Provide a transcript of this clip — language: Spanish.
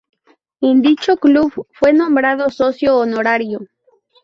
En dicho club fue nombrado "Socio Honorario".